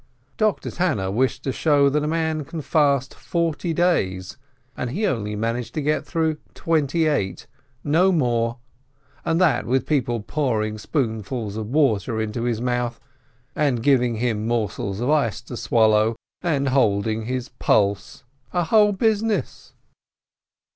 Doctor Tanner wished to show that a man can fast forty days, and he only managed to get through twenty eight, no more, and that with people pouring spoon fuls of water into his mouth, and giving him morsels of ice to swallow, and holding his pulse — a whole busi ness!